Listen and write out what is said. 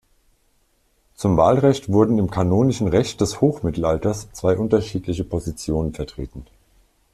Zum Wahlrecht wurden im kanonischen Recht des Hochmittelalters zwei unterschiedliche Positionen vertreten.